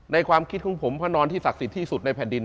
ความคิดของผมพระนอนที่ศักดิ์สิทธิ์ที่สุดในแผ่นดิน